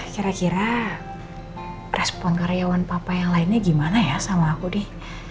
kira kira respon karyawan papa yang lainnya gimana ya sama aku deh